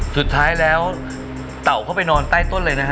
สุดท้ายแล้วเต่าเข้าไปนอนใต้ต้นเลยนะฮะ